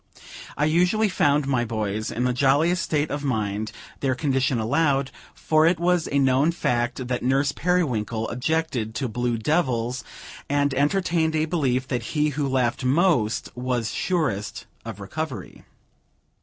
I usually found my boys in the jolliest state of mind their condition allowed; for it was a known fact that Nurse Periwinkle objected to blue devils, and entertained a belief that he who laughed most was surest of recovery.